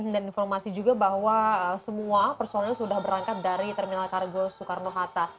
dan informasi juga bahwa semua personel sudah berangkat dari terminal kargo soekarno hatta